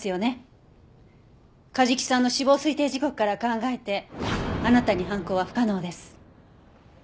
梶木さんの死亡推定時刻から考えてあなたに犯行は不可能です。